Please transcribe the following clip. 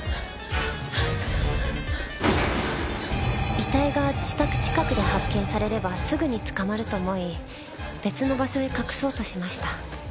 遺体が自宅近くで発見されればすぐに捕まると思い別の場所へ隠そうとしました。